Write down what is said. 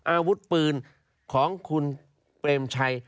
อาวุธปืนของคุณเปรมชัย